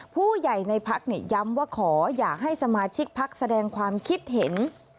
ผู้ใหญ่ในพักย้ำว่าขออย่าให้สมาชิกพักแสดงความคิดเห็น